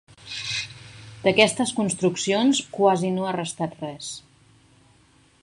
D'aquestes construccions quasi no ha restat res.